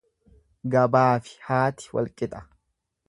Gabaafi haati wal qixa.